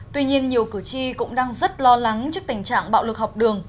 tuy nhiên nhiều cử tri cũng đang rất lo lắng trước tình trạng bạo lực học đường